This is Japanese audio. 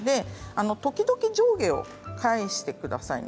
時々上下を返してくださいね。